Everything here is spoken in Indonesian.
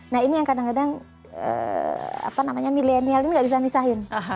nah ini yang kadang kadang apa namanya millennial ini gak bisa disahkan